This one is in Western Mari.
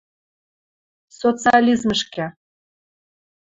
Социализмӹшкӹ